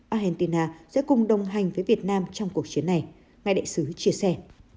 argentina sẽ cùng đồng hành với việt nam trong cuộc chiến này ngài đại sứ chia sẻ